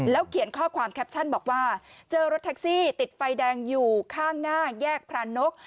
เขียนข้อความแคปชั่นบอกว่าเจอรถแท็กซี่ติดไฟแดงอยู่ข้างหน้าแยกพรานก